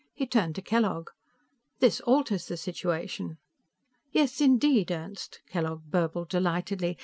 He turned to Kellogg. "This alters the situation." "Yes, indeed, Ernst," Kellogg burbled delightedly.